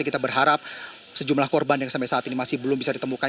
kita berharap sejumlah korban yang sampai saat ini masih belum bisa ditemukan